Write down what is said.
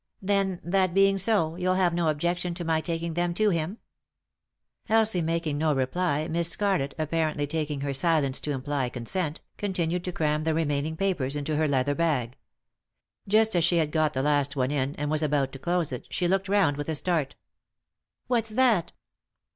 "Then, that being so, you'll have no objection to my taking them to him ?" Elsie making no reply, Miss Scarlett, apparently taking her silence to imply consent, continued to cram the remaining papers into her leather bag. Just as she had got the last one in, and was about to close it, she looked round with a start. "What's that?"